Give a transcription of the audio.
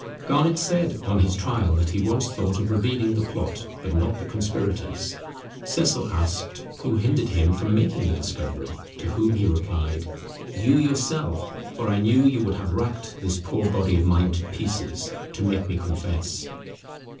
Garnet said on his trial that he once thought of revealing the plot, but not the conspirators. Cecil asked who hindered him from making the discovery; to whom he replied, "You, yourself; for I knew you would have racked this poor body of mine to pieces, to make me confess."